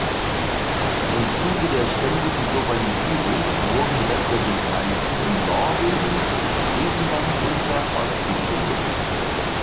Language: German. Im Zuge der ständigen Globalisierung wurden Repräsentanzen in Norwegen, Griechenland und Fernost gegründet.